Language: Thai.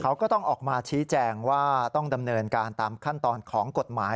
เขาก็ต้องออกมาชี้แจงว่าต้องดำเนินการตามขั้นตอนของกฎหมาย